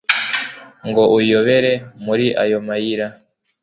ngo uyobere muri ayo mayira